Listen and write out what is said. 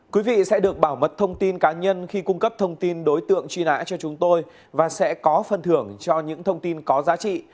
quý vị sẽ được bảo mật thông tin cá nhân khi cung cấp thông tin đối tượng truy nã cho chúng tôi và sẽ có phần thưởng cho những thông tin có giá trị